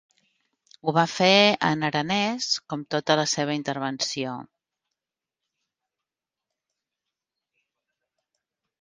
Ho va fer en aranès, com tota la seva intervenció.